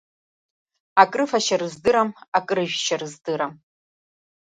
Акрыфашьа рыздырам, акрыжәшьа рыздырам.